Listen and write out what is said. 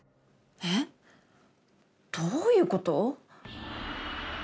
えっどういうこと？